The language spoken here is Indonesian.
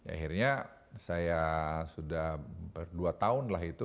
akhirnya saya sudah berdua tahun lah itu